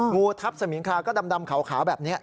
งูทับสมิงคาก็ดำขาวแบบนี้